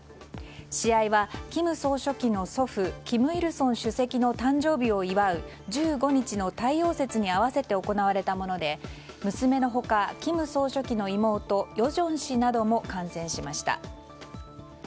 試合は金総書記の祖父金日成主席の誕生日を祝う１５日の太陽節に合わせて行われたもので娘の他、金総書記の妹・与正氏なども観戦しました。